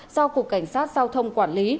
do cục cảnh sát giao thông quản lý